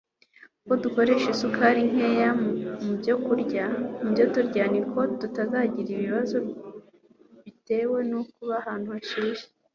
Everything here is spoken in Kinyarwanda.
uko dukoresha isukari nkeya mu byo turya, niko tutazagira ibibazo byinshi bitewe no kuba ahantu hashyushye